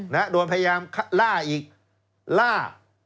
นะฮะโดนพยายามล่าอีกล่า